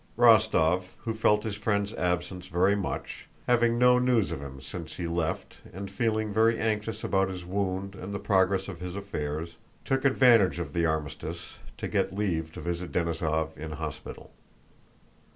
Rostóv, who felt his friend's absence very much, having no news of him since he left and feeling very anxious about his wound and the progress of his affairs, took advantage of the armistice to get leave to visit Denísov in hospital.